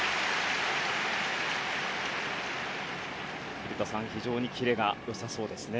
古田さん、非常にキレが良さそうですね。